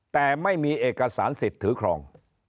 แต่ไม่มีเอกสารสิทธิ์ถือครอง